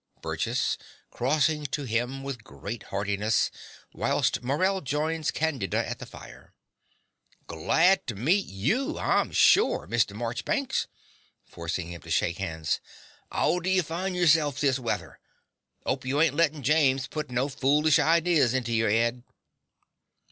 BURGESS (crossing to him with great heartiness, whilst Morell joins Candida at the fire). Glad to meet YOU, I'm shore, Mr. Morchbanks. (Forcing him to shake hands.) 'Ow do you find yoreself this weather? 'Ope you ain't lettin' James put no foolish ideas into your 'ed?